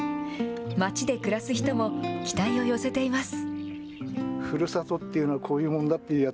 町で暮らす人も、期待を寄せています。